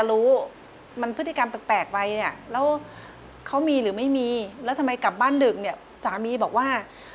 แล้วเขามีหรือไม่มีแล้วทำมายกลับบ้านดึกสามีบอกว่า